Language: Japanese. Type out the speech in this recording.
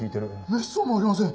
めっそうもありません！